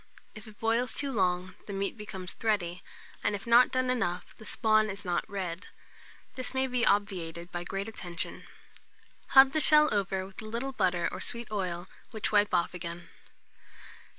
If it boils too long, the meat becomes thready, and if not done enough, the spawn is not red: this must be obviated by great attention. Hub the shell over with a little butter or sweet oil, which wipe off again.